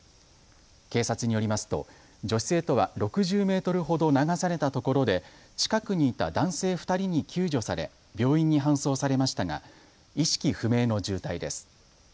警察によりますと女子生徒は６０メートルほど流されたところで近くにいた男性２人に救助され病院に搬送されましたが意識不明の重体です。